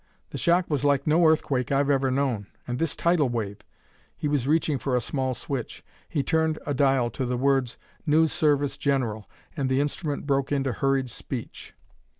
The shock was like no earthquake I've ever known. And this tidal wave " He was reaching for a small switch. He turned a dial to the words: "News Service General," and the instrument broke into hurried speech.